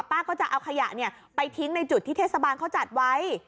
ก็จะเอาขยะไปทิ้งในจุดที่เทศบาลเขาจัดไว้